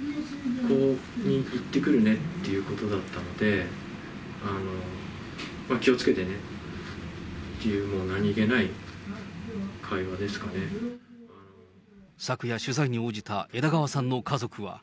旅行に行ってくるねってことだったので、気をつけてねっていう、昨夜、取材に応じた枝川さんの家族は。